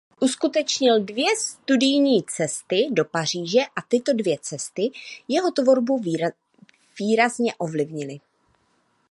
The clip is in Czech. Uskutečnil dvě studijní cesty do Paříže a tyto dvě cesty jeho tvorbu výrazně ovlivnily.